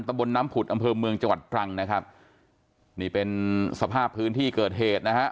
บนน้ำผุดอำเภอเมืองจังหวัดตรังนะครับนี่เป็นสภาพพื้นที่เกิดเหตุนะฮะ